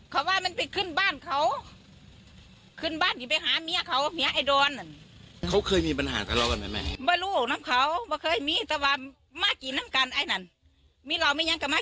เขาว่ามันไปขึ้นบ้านเขาขึ้นบ้านที่ไปหาเมียเขาเมียไอ้ดอนนั่นเขาเคยมีปัญหาทะเลาะกันไหม